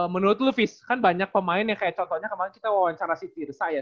menurut lu fizz kan banyak pemain yang kayak contohnya kemarin kita wawancara si tirza ya